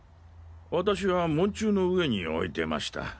私は門柱の上に置いてました。